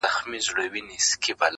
چي کولای سي پدې فضا کي